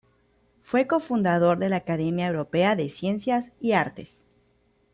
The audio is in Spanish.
Fue cofundador de la Academia Europea de Ciencias y Artes.